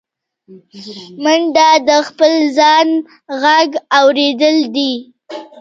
منډه د خپل ځان غږ اورېدل دي